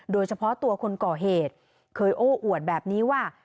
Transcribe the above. โดยเฉพาะตัวคนก่อเหตุเคยโอ้อวดแบบนี้ว่า